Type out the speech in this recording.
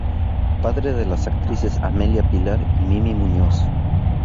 Padre de las actrices Amelia, Pilar y Mimí Muñoz.